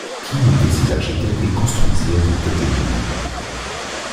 Qui étaient ces architectes qui construisirent de telles églises?